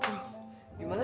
aduh gimana ya